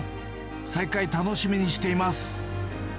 再開楽しみにしています。